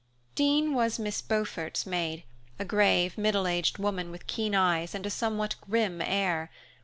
Dean was Miss Beaufort's maid, a grave, middle aged woman with keen eyes and a somewhat grim air.